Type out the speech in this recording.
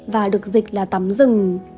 và được dịch là tắm rừng